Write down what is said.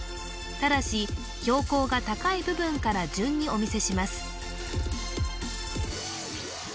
ただし標高が高い部分から順にお見せします